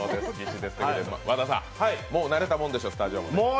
和田さん、もう慣れたもんでしょ、スタジオも。